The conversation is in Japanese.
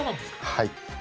はい。